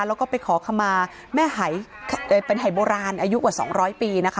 แล้วก็ไปขอขมาแม่หายเป็นหายโบราณอายุกว่า๒๐๐ปีนะคะ